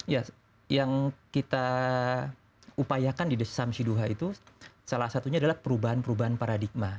ya yang kita upayakan di the samsiduha itu salah satunya adalah perubahan perubahan paradigma